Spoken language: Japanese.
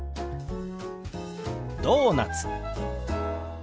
「ドーナツ」。